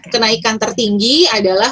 kenaikan tertinggi adalah